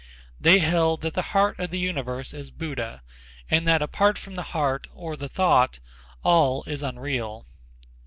They held that the heart of the universe is Buddha and that apart from the heart or the thought all is unreal.